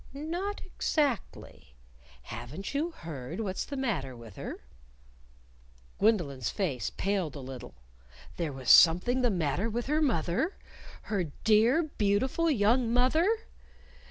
"Not exactly. Haven't you heard what's the matter with her?" Gwendolyn's face paled a little. There was something the matter with her mother? her dear, beautiful, young mother!